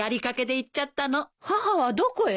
母はどこへ？